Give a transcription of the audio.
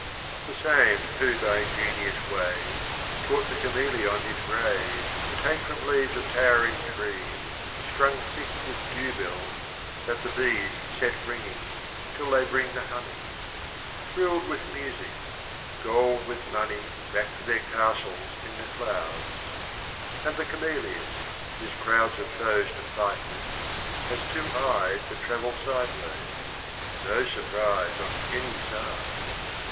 — The same who by ingenious ways Taught the chameleon his rays To take from leaves of tow'ring trees Strung thick with dew bells that the bees Set ringing, till they bring the honey, Thrilled with music, gold with money Back to their castles in the clouds — And the chameleon, his crowds Of foes to fight with, has two eyes That travel sideways, no surprise On any side.